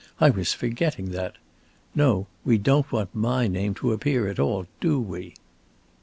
I was forgetting that. No, we don't want my name to appear at all, do we?"